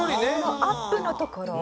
アップのところ？